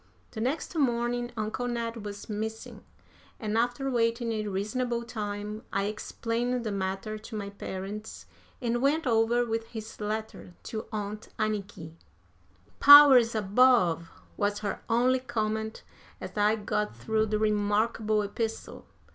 The next morning Uncle Ned was missing, and, after waiting a reasonable time I explained the matter to my parents, and went over with his letter to Aunt Anniky. "Powers above!" was her only comment as I got through the remarkable epistle.